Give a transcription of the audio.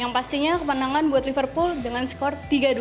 yang pastinya kemenangan buat liverpool dengan skor tiga dua